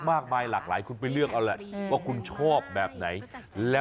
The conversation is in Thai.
อร่อยไม่อร่อยก็คือดูดนิ้วโชว์ล่ะจ๊ะ